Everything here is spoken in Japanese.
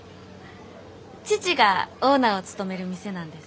父がオーナーを務める店なんです。